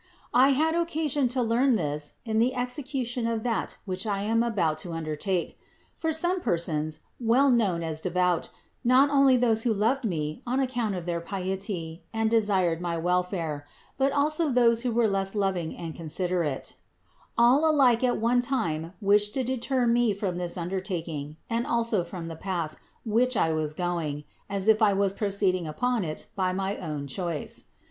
I had occasion to learn this in the execution of that which I am about to undertake : for some persons, well known as devout, not only those who loved me on account of their piety and desired my welfare, but also those who were less loving and considerate : all alike at one time wished to deter me from this undertaking, and also from the path, which I was going, as if I was proceeding upon it by my own 6 INTRODUCTION choice.